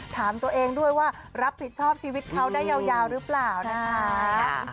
ถามตัวเองด้วยว่ารับผิดชอบชีวิตเขาได้ยาวหรือเปล่านะคะ